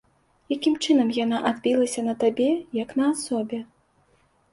Якім чынам яна адбілася на табе як на асобе?